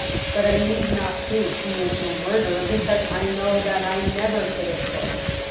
But I need not prove he is no murderer because I know that I never could have killed.